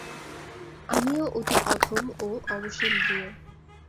আমিও অতি অধম ও অবশেন্দ্রিয়।